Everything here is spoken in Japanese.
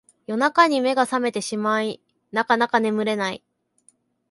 夜中に目が覚めてしまいなかなか眠れない